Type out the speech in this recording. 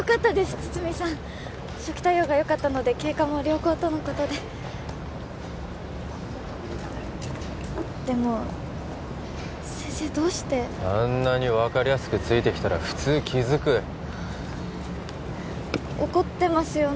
堤さん初期対応がよかったので経過も良好とのことででも先生どうしてあんなに分かりやすくついてきたら普通気づく怒ってますよね？